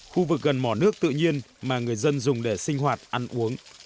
khu vực gần mỏ nước tự nhiên mà người dân dùng để sinh hoạt ăn uống